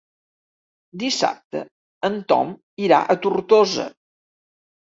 Dissabte en Tom irà a Tortosa.